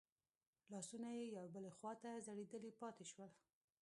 لاسونه يې يوې بلې خواته ځړېدلي پاتې شول.